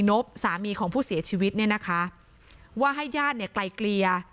นบสามีของผู้เสียชีวิตเนี่ยนะคะว่าให้ญาติเนี่ยไกลเกลี่ย